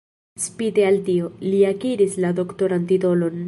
Spite al tio, li akiris la doktoran titolon.